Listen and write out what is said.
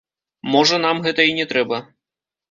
Можа, нам гэта і не трэба.